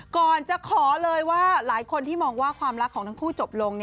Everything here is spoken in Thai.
ก่อนจะขอเลยว่าหลายคนที่มองว่าความรักของทั้งคู่จบลง